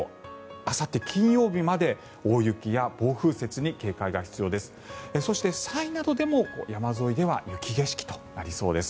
あさって金曜日まで大雪や暴風雪に警戒が必要です。